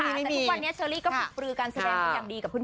แต่ทุกวันนี้เชอรี่ก็ฝึกปลือการแสดงเป็นอย่างดีกับเพื่อน